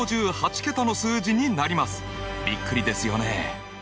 びっくりですよね！